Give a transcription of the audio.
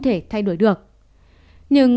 thể thay đổi được nhưng